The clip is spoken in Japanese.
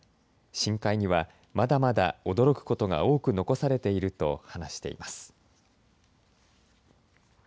深海にはまだまだ驚くことが多く残されていると話しています。